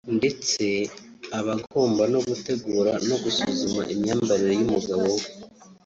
ndetse aba agomba no gutegura no gusuzuma imyambarire y’umugabo we